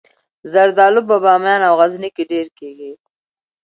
زردالو په بامیان او غزني کې ډیر کیږي